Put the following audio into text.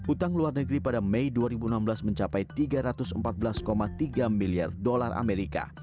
utang luar negeri pada mei dua ribu enam belas mencapai tiga ratus empat belas tiga miliar dolar amerika